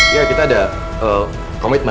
iya kita ada komitmen